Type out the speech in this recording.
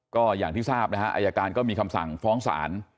ก็อย่างที่ทราบนะฮะอายการก็มีคำสั่งฟ้องศาล